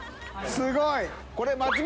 すごい！